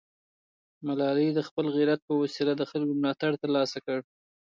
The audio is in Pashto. ملالۍ د خپل غیرت په وسیله د خلکو ملاتړ ترلاسه کړ.